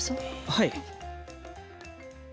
はい。